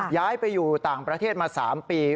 ย้ายไปอยู่ต่างประเทศมา๓ปี